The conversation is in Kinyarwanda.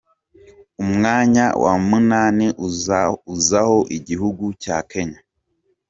Umwanya wa munani uzaho igihugu cya Kenya.